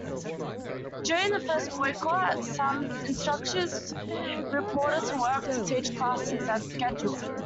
During the first boycott, some instructors reported to work to teach classes as scheduled.